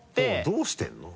どうしてるの？